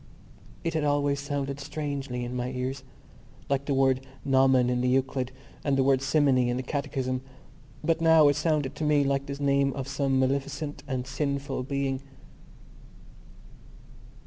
It had always sounded strangely in my ears, like the word gnomon in the Euclid and the word simony in the Catechism. But now it sounded to me like the name of some maleficent and sinful being.